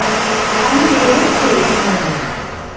I'm really thrilled.